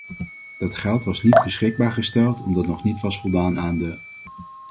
Dat geld was niet beschikbaar gesteld omdat nog niet was voldaan aan de .